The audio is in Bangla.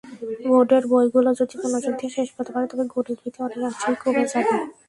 বোর্ডের বইগুলো যদি মনোযোগ দিয়ে শেষ করতে পারেন, তবে গণিত-ভীতি অনেকাংশেই কমে যাবে।